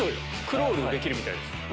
クロールができるみたいです。